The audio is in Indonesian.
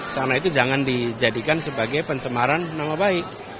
sana itu jangan dijadikan sebagai pencemaran nama baik